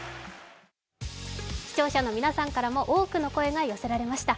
視聴者の皆さんからも多くの声が寄せられました。